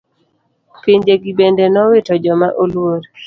Pinje gi bende nowito joma oluor.